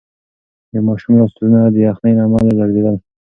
د ماشوم لاسونه د یخنۍ له امله لړزېدل.